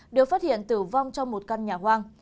được phát hiện tử vong trong một căn nhà hoang